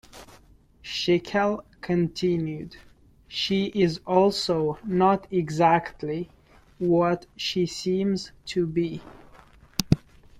Schickel continued, She is also not exactly what she seems to be.